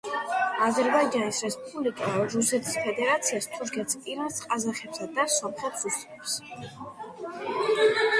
აზერბაიჯანის რესპუბლიკა რუსეთის ფედერაციას, თურქეთს, ირანს, ყაზახეთსა და სომხეთს უსწრებს.